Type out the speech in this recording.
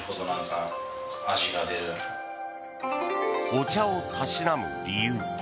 お茶をたしなむ理由。